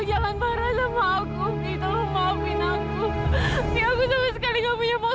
mbak maafin aku